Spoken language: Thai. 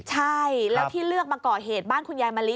ใช่แล้วที่เลือกมาก่อเหตุบ้านคุณยายมะลิ